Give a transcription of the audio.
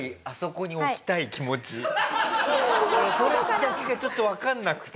俺それだけがちょっとわかんなくて。